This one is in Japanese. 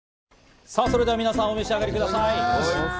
さぁ、それでは皆さん、お召し上がりください。